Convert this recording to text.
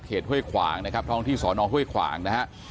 ห้วยขวางนะครับท้องที่สอนอห้วยขวางนะฮะ